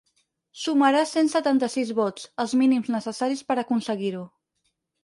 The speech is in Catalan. Sumarà cent setanta-sis vots, els mínims necessaris per aconseguir-ho.